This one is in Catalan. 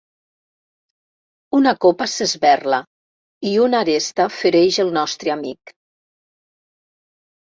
Una copa s'esberla, i una aresta fereix el nostre amic.